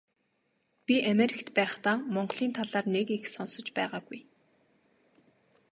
Би Америкт байхдаа Монголын талаар нэг их сонсож байгаагүй.